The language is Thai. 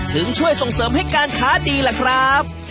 ช่วยส่งเสริมให้การค้าดีล่ะครับ